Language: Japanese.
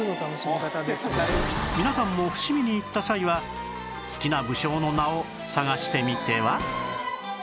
皆さんも伏見に行った際は好きな武将の名を探してみては？